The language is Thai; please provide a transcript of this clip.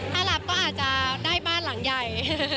ถ้ารับก็อาจจะได้บ้านหลังใหญ่